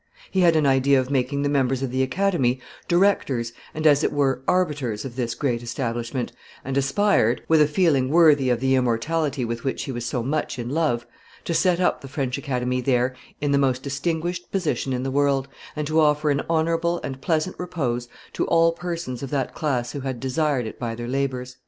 He had an idea of making the members of the Academy directors and as it were arbiters of this great establishment, and aspired, with a feeling worthy of the immortality with which he was so much in love, to set up the French Academy there in the most distinguished position in the world, and to offer an honorable and pleasant repose to all persons of that class who had deserved it by their labors."